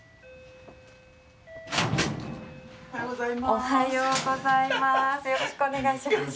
おはようございます。